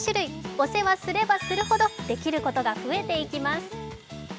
お世話すればするほどできることが増えていきます。